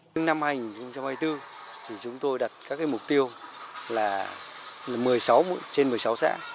từ năm hành trong hai mươi bốn chúng tôi đặt các mục tiêu là trên một mươi sáu xã